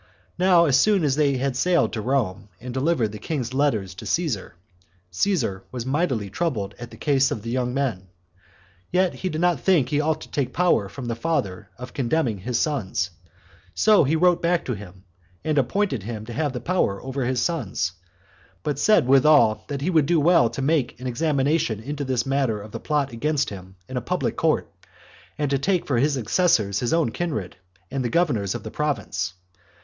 Now as soon as they had sailed to Rome, and delivered the king's letters to Caesar, Caesar was mightily troubled at the case of the young men; yet did not he think he ought to take the power from the father of condemning his sons; so he wrote back to him, and appointed him to have the power over his sons; but said withal, that he would do well to make an examination into this matter of the plot against him in a public court, and to take for his assessors his own kindred, and the governors of the province.